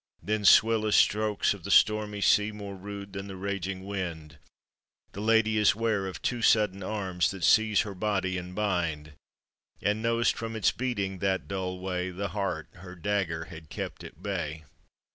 Then swift as strokes of the stormy sea, More rude than the raging wind, The lady is 'ware of two sudden arms That seize her body and bind, And knows from its beating that dull way The heart her dagger had kept at bay.